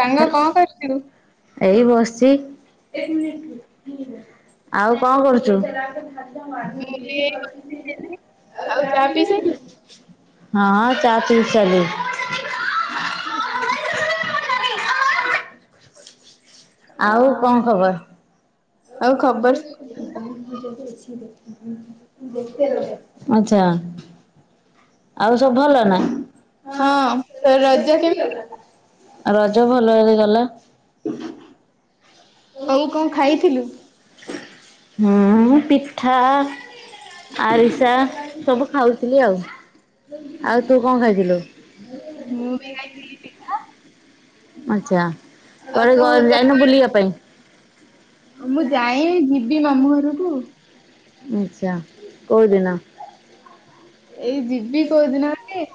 ସାଙ୍ଗ କଣ କରୁଚୁ? ଏଇ ବସିଚି [unintelligible] ଆଉ କଣ କରୁଚୁ? ଆଉ ଚା ପିଇ ସାଇଲୁ? [unintelligible] ହଁ ଚା ପିଇ ସାରିଲିଣି। ଆଉ କଣ ଖବର? ଆଉ ଖବର ସ- [unintelligible] [unintelligible] [inaudible] ଆଛା ନା ହଁ ତ ରଜ କେମିତି ରଜ ଭଲ ହେରେ ଗଲା। ଆଉ କଣ ଖାଇଥିଲୁ? ହଁ ପିଠା ଆରିସା ସବୁ ଖାଉ ଥିଲି ଆଉ। ଆଉ ତୁ କଣ ଖାଇଥିଲୁ? ମୁଁ ବି ଖାଇ ଆଛା। ଆଉ କୁଆଡେ ତୁ ଘ ତୋର ଯାଇନୁ ବୁଲିବା ପାଇଁ? ମୁଁ ଯାଏ ଯିବି ମାମୁଁ ଘର କୁ ଆଛା କୋଉଦିନ? ଏଇ ଯିବି କୋଉଦିିନ ଗୋଟେ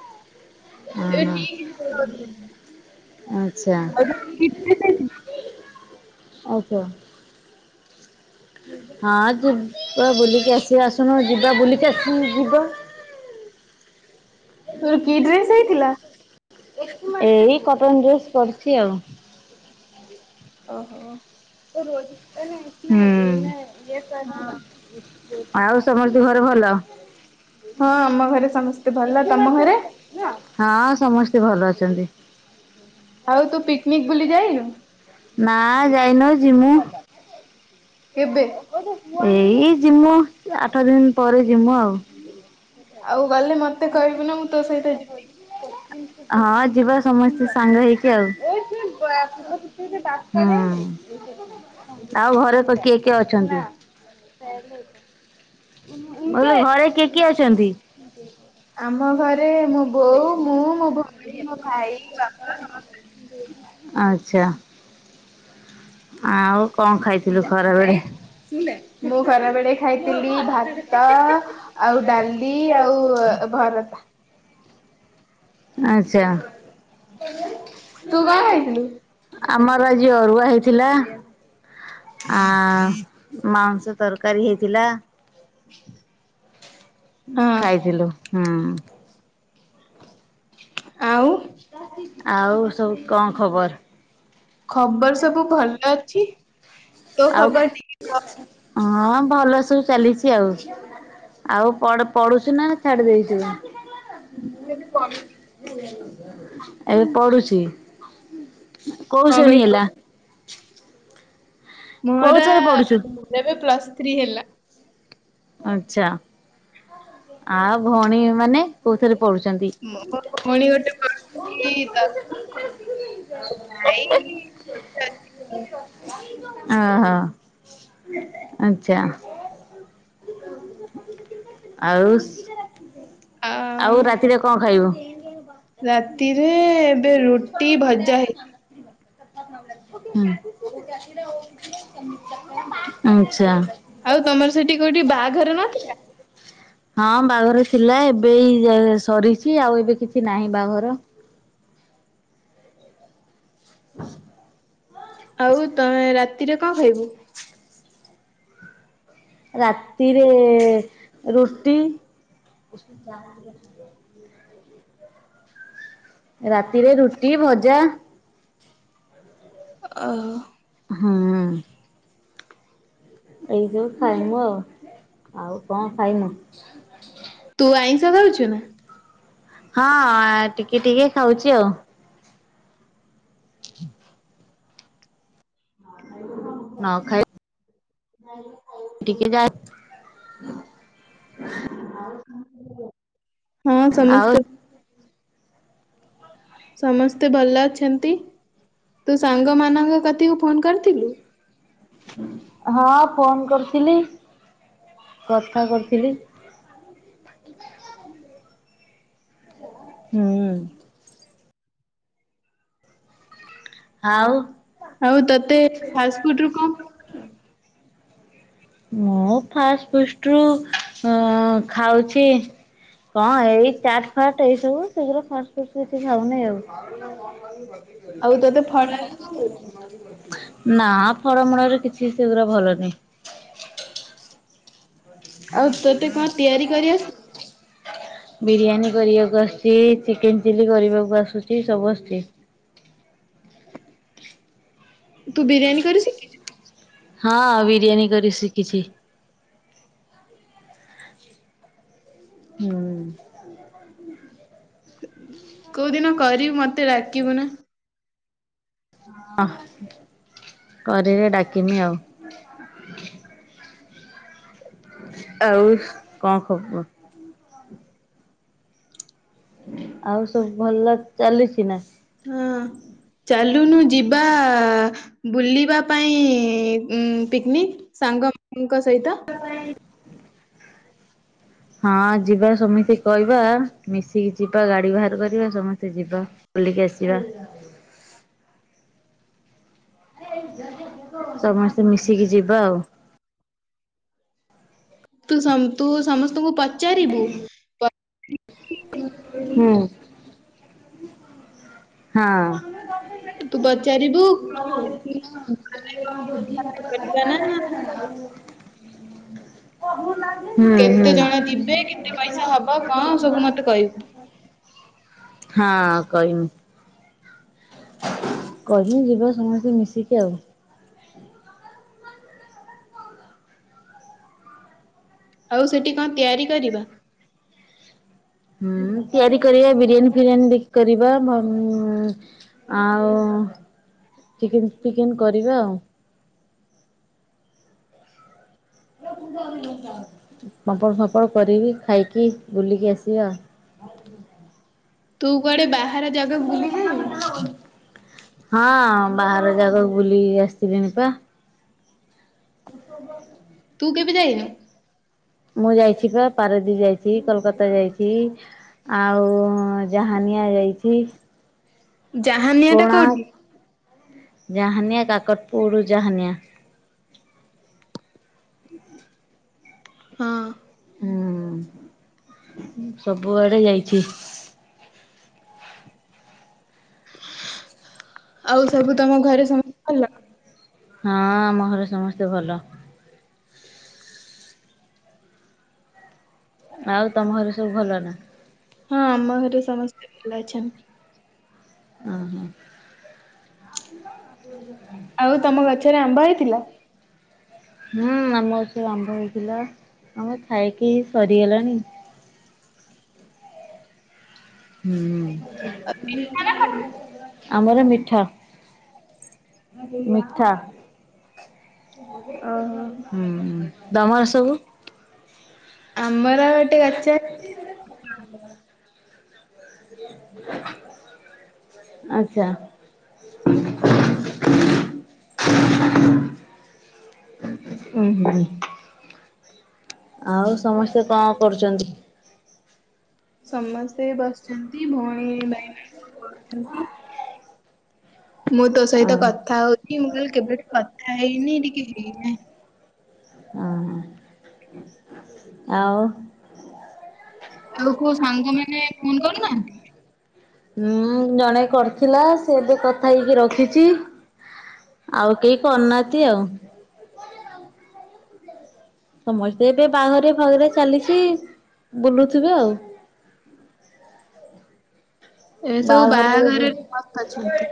ଏବେ ଅହଁ। [inaudible] ଠିକ [inaudible] ସେୟା ଆଉ ତୋର କି ଡ୍ରେସ ହେଇଥିଲା ଆଉ କୁହ? ହଁ ଯୁ ବ ବୋଲିଲି କସି ଆ ଯିବା ବୁଲିକି ଆସି ଯିବା। ତୋର କି ଡ୍ରେସ ହେଇଥିଲା। ଏଇ କଟନ ଡ୍ରେସ୍ କରଛି ଆଉ ଓହୋ। ହୁଁ। ହଁ ଆଉ ସମସ୍ତ ଘର ଭଲ ହଁ ଆମ ଘରେ ସମସ୍ତେ ଭଲ ତମ ଘରେ ହଁ ସମସ୍ତେ ଭଲ ଅଛନ୍ତି। ଆଉ ତୁ ପିକନିକ ବୋଲିୁଲି ଯାଇନୁ? ନା ଯାଇନ ଯିମୁ କେବେ? ଏଇ ଏଇ ଜିମୂ ଆଠ ଦିନ ପରେ ଜିମୁ ଆଉ ଆଉ ଗଲେ ମତେ କହିବୁ ନା ମୁଁ ତୋ ସହିତ ଯିବିି। ହଁ ଯିବା ସମସ୍ତେ ସାଙ୍ଗ ହେଇକି ଆଉ [inaudible] ହୁଁ ଆଉ ଘରେ କିଏ କିଏ ଅଛନ୍ତି। [inaudible] ଘରେ କିଏ କିଏ ଅଛନ୍ତି? [inaudible] ଆମ ଘରେ ମୋ ବୋଉ ମୁଁ ମୋ ଭଉଣୀ ମୋ ଭାଇ ବାପା ସମସ୍ତେ ଆଚଛା ଆଉ କଣ ଖାଇଥିଲୁ ଖରା ବଳେ ମୁଁ ଖରାବେେଳେ ଖାଇଥିଲି ଭାତ ଆଉ ଡାଲି ଆଉ ଭରତ [inaudible] ଆଛା। ତୁ କଣ ଖାଇଥିଲୁ? ଆମର ଆଜି ଅରୁଆ ହେଇ ପିଲା। ଆ ମାଉସ ତରକାରୀ। [inaudible] ହଁ ଖାଇଥିଲୁ? ହୁଁ। ଆଉ [inaudible] ଆଉ ସବୁ କଣ? ଖବର। ଖବର ସବୁ ଭଲ ଛି। ତୋ ଆଉ ଖବର ଟିକେ କହ। ହଁ ଭଲ ସବୁ ଚାଲିଛି ଆଉ ଆଉ ପଢୁଚୁ ନା ଛାଡି ଦେଇଚୁ। [inaudible] ଏବେ ପଢୁଚି। କୋଉ କଣ ଶ୍ରେଣୀ କହିଲୁ? ହେଲା। ମୋର କୋଉଥରେ ପଢୁଛୁ ଏବେ ପ୍ଲସ୍ ଥ୍ରୀ ହେଲା। ଆଚ୍ଛା। ଆଉ ଭଉଣୀ ମାନେ। କୋଉଥରେ ପଢୁଛନ୍ତି [inaudible] ମୋ ଭଉଣୀ ଗୋଟେ ପଢ଼ୁଚି ଦଶମ ଭାଇ [unintelligible] ଓ ହୋ [inaudible] ଆଚ୍ଛା। [inaudible] ଆଉ [inaudible] ଆଉ ରାତିରେ କଣ ଖାଇବ। [inaudible] ତିରେ ଛୁଆ ଏଠିକି ଆସେନା। [inaudible] ହୁଁ [inaudible] ଆଚ୍ଛା। ଆଉ ତମର ସେଠି କୋଉଠି ବାହାଘର ନଥିଲା। ହଁ ବାହାଘର ଥିଲା ଏବେ ଏଇ ସରିଛି ଆଉ ଏବେ କିଛି ନାହିଁ ବାହାଘର। ଆଉ ତମେ ରାତିରେ କଣ ଖାଇବୁ। ରାତିରେ ରୁଟି। [inaudible] ହୁଁ ରାତିରେ ରୁଟି ଭଜା। ଓହୋ। ହୁଁ। ଏଇ ଯୋଉ ଖାଇମୁ ଆଉ। ଆଉ କଣ ତୁ ଆଇଁଷ ଖାଇମୁଁ ଖାଉଛୁ ନା? [inaudible] ହଁ ଟିକେ ଟିକେ ଖାଉଛି ଆଉ। ନ ଖାଇ [unintelligible] ଟିକେ ଯା [inaudible] କଣ କିରେ [unintelligible] ହୁଁ ଆଉ ସମସ୍ତେ ସମସ୍ତେ ଭଲ ଅଛନ୍ତି ତୁ ସାଙ୍ଗ ମାନଙ୍କ କତିକୁ ଫୋନ କରିଥିଲୁ [unintelligible] ହଁ ଫୋନ୍ କରିଥିଲି। କଥା କରିଥିଲି। [unintelligible] ହୁଁ। ଆଉ ଆଉ ତତେଫାଷ୍ଟ୍ ଫୁଡ୍ ରେ କଣ। [inaudible] ମୁଁ ଫାଷ୍ଟ୍ ଫାଷ୍ଟ୍ ରୁ ଖାଉଛି କଣ ଏଇ ଚାଟ୍ ଫାଟ୍ ଏଇ ସବୁ ସେଇଗୁରା ଫାଷ୍ଟ ସେ କିଛି ଖାଉନି ଆଉ ଆଉ ତୋତେ ଫଳ [unintelligible] [unintelligible] [unintelligible] ନା ଫଳ ମୂଳରେ କିଛି ସେଗୁରା ଭଲ ନାହିଁ। [unintelligible] ତତେ କଣ ତିଆରି କରି ଅଶେ। ବିରିୟାନୀ କରିବାକୁ ଆସୁଛି, ଚିକେନ ଚିଲି କରିବାକୁ ଆସୁଛି, ସବୁ ଆସୁଛି। ତୁ ବିରିଆନି କରି ଶିଖୁଛୁ। ହଁ ବିରିୟାନୀ କରି ଶିଖିଛି [inaudible] ହୁଁ। କୋଉ ଦିନ କରିବୁ ମତେ ଡାକିବୁ ନା। [unintelligible] ଅହଁ। କରିଲେ ଡାକିମି ଆଉ [unintelligible] ଆଉ କଣ ଖବର [unintelligible] ଆଉ ସବୁ [unintelligible] ଭଲ ଚାଲିଛି ନା? ହଁ ଚାଲୁନୁ ଯିବା ଆ ବୁଲି। ଯିବା ପାଇଁ ପିକନିକ୍ ସାଙ୍ଗ ମାନଙ୍କ ସହିତ [unintelligible] ହଁ ଯିବା ସମିତି କି କହିବା ମିଶିକି ଯିବା। ଗାଡି ବାହାର କରିବା ସମସ୍ତେ ଯିବା ବୁଲିକି ଆସିବା। ସମସ୍ତେ ମିଶିକି। ଯିବା ଆ ତୁ ତୁ ସମସ୍ତ ତମକୁ ପଚାରିବୁ ପ ହୁଁ। ହଁ। ତୁ ପଚାରିବୁ କଣ କରିବା ନା କହୁନା। କେତେ ଜଣ ଯିବେ କେତେ ପଇସା ହବ କଣ ସବୁ ମତେ କହିବୁ। ହଁ କହିମି। କହି ହୁଁ ଯିବା ସମସ୍ତେ ମିଶିକି ଆଉ। ଆଉ ସେଠି କଣ ତିଆରି କରିବା? ହୁଁ ତିଆରି କରିବା ବିରିୟାନୀ ଫିରିୟାନୀ ଦେଖି କରିବା ଉଁ ଆଉ ଚିକେନ୍ ଫିକେନ୍ କରିବା ଆଉ। ପାମ୍ପଡ଼ ଫାମ୍ପଡ଼ କରିବି ଖାଇକି ବୁଲିକି ଆସିବା ତୁ କୁଆଡେ ବାହାର ଜାଗା ବୁଲି ଯାଇନୁ ହଁ ବାହା ଜାଗାକୁ ବୁଲିକି ଆସିଥିଲିଣିି ପା। ତୁ କେବେ ଯାଇନୁ ମୁଁ ଯାଇଛି ପା ପାରଦୀପ ଯାଇ କୋଲକାତା ଯାଇଛି ଆଉ ଜାହାନିଆ ଯାଇଛି ଜାହାନିଆ ଟା କୋଣା କୋଉଠି ଜାହାନିଆ କାକଟପୁର ଜାହାନିଆ। ହୁ ହଁ। ହୁଁ। ସବୁଆଡେ ଯାଇଛି। ଆଉ ସବୁ ତମ ଘରେ ସମସ୍ତେ ଭଲ? ହଁ ଆମ ଘରେ ସମସ୍ତେ ଭଲ। ଆଉ ତମ ଘରେ ସବୁ ଭଲ ନା? ହଁ ଆମ ଘରେ ସମସ୍ତେ ଭଲ ଅଛନ୍ତି। ଓ ହୋ। ଆଉ ତମ ଗଛରେ ଆମ୍ବ ହେଇଥିଲା ହୁଁ ଆମ ଗଛରେ ଆମ୍ୱ ହେଇ ଥିଲା ଆମ୍ୱ ଖାଇକି ସରିଗଲାଣି। ହୁଁ। ଆମର ମିଠା। ମିଠା। ଓହୋ ହୁଁ ତମର ସବୁ? ଆମର ଗୋଟେ ଗଛ ଖାଲି। ଆଚ୍ଛା। [inaudible] ହୁଁ ହୁଁ। ଆଉ ସମସ୍ତେ କଣ କରୁଛନ୍ତି? ସମସ୍ତେ ବସିଛନ୍ତି ଭଉଣୀ ଭାଇମାନେ ସବୁ ଅଛନ୍ତି ମୁଁ ତୋ ସହିତ ଅଁ କଥା ହଉଛି ମୁଁ କହିଲି କେବେଠୁ କଥା ହେଇନି ଟିକେ ହେଇଯାଏ। ହଁ ହଁ। ଆଉ? ଆଉ କୋଉ ସାଙ୍ଗମାନେ ଫୋନ୍ କରୁନାହାନ୍ତି? ହଁ ଜଣେ କରିଥିଲା ସେ ଏବେ କଥା ହେଇକି ରଖିଛି ଆଉ କେହି କରୁନାହାନ୍ତି ଆଉ। ସମସ୍ତେ ଏବେ ବାହାଘରେ। [unintelligible] କାଲିକି ବୁଲୁଥିବେ ଆଉ। ଏ ସବୁ ବାହାଘର ହୁଁ ବାହାଘରରେ ମସ୍ତ ଅଛନ୍ତି।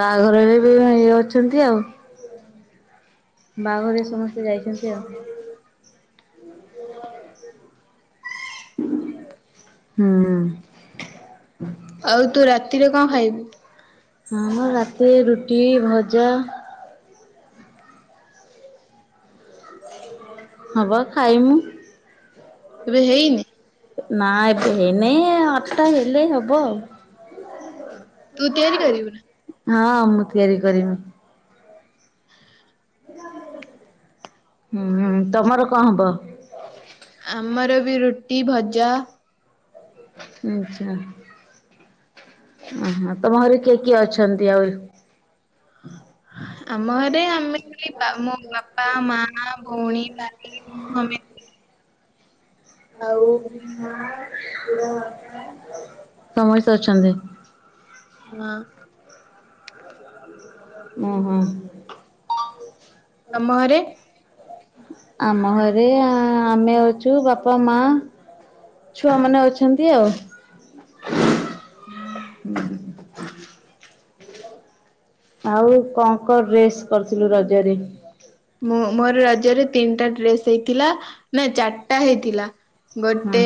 ବାହାଘରରେ ବି ଭାଙ୍ଗି ଯାଉ [unintelligible] ଆଉ। ବାହାଘରେ ସମସ୍ତେ ଯାଇଛନ୍ତି ଆଉ, ହୁଁ ଆଉ ତୁ ରାତିରେ କଣ ଖାଇବୁ ଆମ ରାତିରେ ରୁଟ୍ ରୁଟି ଭଜା। ଖାଲି। ହବ ଖାଇମୁ। ଏବେ ହେଇନି? ନାଇଁ ଏବେ ହେଇନି ଆଠଟା ହେଲେ ହବ ଆଉ। ତୁ ତିଆରି କରିବୁ ନା? ହଁ ମୁଁ ତିଆରି କରିମି। ହୁଁ ତମର କଣ ହବ? ଆମର ବି ରୁଟି ଭଜା ଆଚ୍ଛା ଓହୋ ତମ ଘରେ କିଏ କିଏ ଅଛନ୍ତି ଆଉ? ଆମ ଘରେ ଆମେ ମୋ ବାପା ମା ଭଉଣୀ ନାନା ମମି। ଖାଲି। ସମସ୍ତେ ଅଛନ୍ତି। ହୁଁ ହୁଁ। ତମ ଘରେ? ଆମ ଘରେ ଆ ଆମେ ଅଛୁ ବାପା ମା ଛୁଆ ମାନେ ଅଛନ୍ତି ଆଉ। [unintelligible] ଆଉ କଣ କଣ ଡ୍ରେସ କରିଥିଲୁ ରଜରେ? ଦେଇଥିଲା। ନା ଚାରିଟା ହେଇଥିଲା ହଁ ଗୋଟେ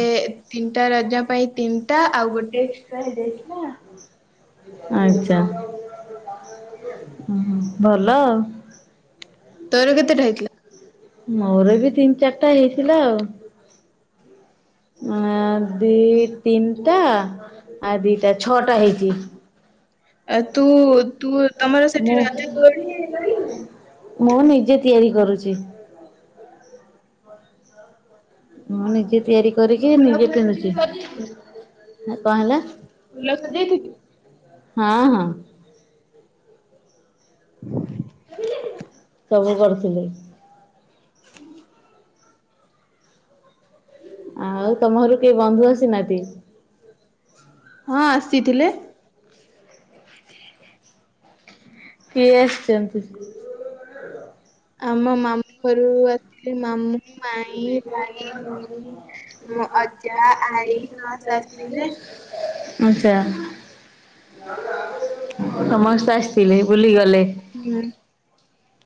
ତିନିଟା ରଜ ପାଇଁ ତିନିଟା ଆଉ ଗୋଟେ ଏକ୍ସଟ୍ରା ହେଇଯାଇଥିଲା। ଆଚ୍ଛା ହୁଁ ଭଲ ଆଉ। ତୋର କେତେଟା ହେଇଥିଲା। ମୋର ବି ତିନ୍ ଚାରିଟା ହେଇଥିଲା ଆଉ। ଅ ଦୁଇ ତିନିଟା ଆଉ ଦିଟା ଛଅଟା ହେଇଛି। ଆ ତୁ ତୁ ତମର ସେଠି ମୁଁ ରଜ କୋଉଠି ମୁଁ ନିଜେ ତିଆରି କରୁଛି। ମୁଁ ନିଜେ ତିଆରି କରିକି ଫୁଲ ନିଜେ ଫୁଲ ପିନ୍ଧୁଛି। କଣ ହେଲା? ଫୁଲ ସଜେଇଥିଲୁ? [unintelligible] ହଁ ହଁ। ହୁ [unintelligible] ସବୁ କରୁଥିଲି। ଆଉ ତମ ଘରକୁ କେହି ବନ୍ଧୁ ଆସିନାହାନ୍ତି। ହଁ ଆସିଥିଲେ କିଏ ଆସିଛନ୍ତି? ଆମ ମାମୁଁ ଘରୁ ଆସିଥିଲେ ମାମୁଁ ମାଇଁ ମୋ ଅଜା ଆଈ ସମସ୍ତେ ଆସିଥିଲେ। ଆଚ୍ଛା। ସମସ୍ତେ ଆସିଥିଲେ। ହେଇ ଗଲେ। ହୁଁ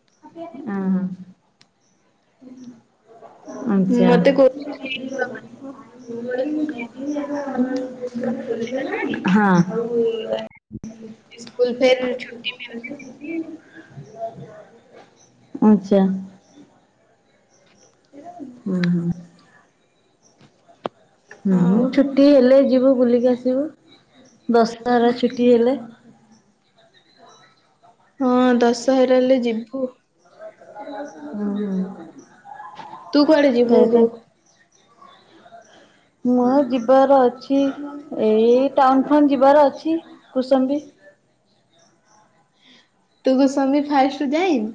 ହ ହ। ହୁ। ଆଚ୍ଛା ମତେ ହଁ। କହୁଥିଲେ ସ୍କୁଲ ଫେର୍ ଛୁ [unintelligible] ଆଚ୍ଛା। ହୁଁ। ହୁଁ ଆଉ ଛୁଟି ହେଲେ ଯିବୁ। ବୁଲିକି ଆସିବୁ। ଦଶହରା ଛୁଟି ହେଲେ। ହଁ ଦଶହରା ହେଲେ ଯିବି। ଓ। ହୁଁ। ତୁ କୁଆଡେ ଯିବୁ ବୁଲିବାକୁ? ମୁଁ ଆଉ ଯିବାର ଅଛି ଏଇ ଟାଉନ ଫାଉନ୍ ଯିବାର ଅଛି। କୁସୁମ୍ ବି ତୁ ଗୋ ସ୍ୱାମୀ ଫାଇଷ୍ଟ ଟୁ ଯାଇନି?